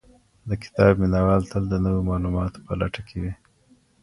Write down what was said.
د کتاب مينه وال تل د نويو معلوماتو په لټه کي وي.